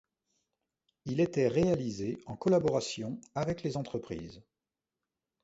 Il était réalisé en collaboration avec les entreprises.